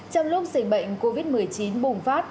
trong lúc dịch bệnh covid một mươi chín bùng phát